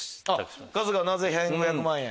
なぜ１５００万円？